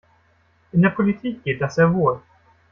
In der Politik geht das sehr wohl.